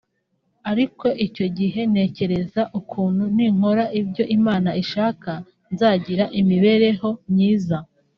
Ariko icyo gihe ntekereza ukuntu ninkora ibyo Imana ishaka nzagira imibereho myiza